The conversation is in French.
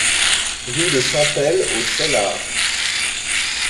Rue de Champel au Cheylard